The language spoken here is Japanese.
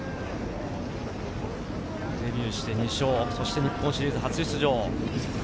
デビューして２勝、そして日本シリーズ初出場。